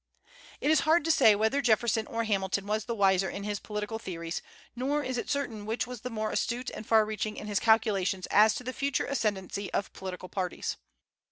It is hard to say whether Jefferson or Hamilton was the wiser in his political theories, nor is it certain which was the more astute and far reaching in his calculations as to the future ascendency of political parties.